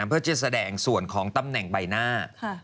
เพื่อจะแสดงส่วนของตำแหน่งใบหน้า